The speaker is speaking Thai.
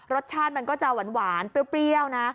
รสชาติมันก็จะหวานเปรี้ยวนะ